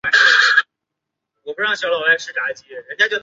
芦莉草属又名双翅爵床属是爵床科下的一个属。